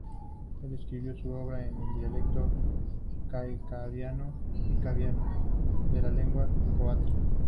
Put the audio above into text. Él escribió su obra en el dialecto kaikaviano-ikaviano de la lengua croata.